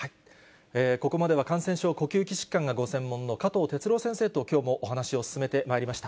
ここまでは、感染症、呼吸器疾患がご専門の加藤哲朗先生ときょうもお話を進めてまいりました。